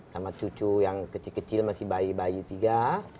sama cucu yang kecil kecil masih bayi bayi tiga